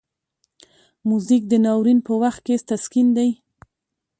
موزیک د ناورین په وخت کې تسکین دی.